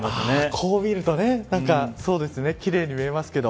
こう見るとね奇麗に見えますけど。